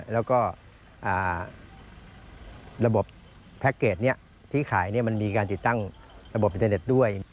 แล้วก็ระบบแพ็คเกจที่ขายมันมีการติดตั้งระบบอินเทอร์เน็ตด้วย